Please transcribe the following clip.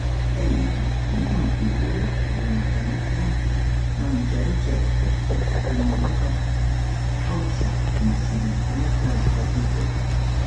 Chay ñanpi puriq runakunata mancharichiy chaynallataq kawsaq masinkunata qatipay.